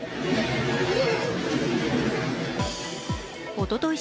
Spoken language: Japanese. おととい